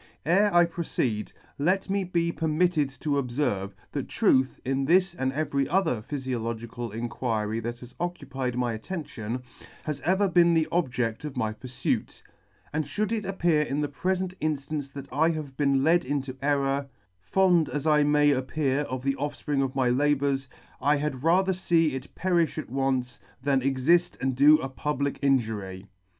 I • Ere C 72 ] Ere I proceed, let me be permitted to obferve, that Truth, in this and every other phyfiological Inquiry that has occupied my attention, has ever been the objedl of my purfuit ; and fhould it appear in the prefent inftance that I have been led into error, fond as I may appear of the offspring of my labours, I had .rather fee it perifh at once, than exift and do a public injury.